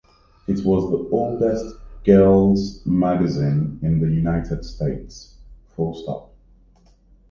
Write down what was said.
It was the oldest girls' magazine in the United States.